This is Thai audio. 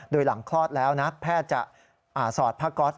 โดยหลังคลอดแล้วนะแพทย์จะสอดผ้าก๊อต